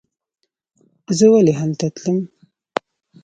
زه ولې هلته تلم.